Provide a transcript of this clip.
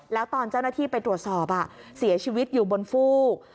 แล้วตอนเจ้าหน้าที่ไปตรวจสอบเสียชีวิตอยู่บนฟูก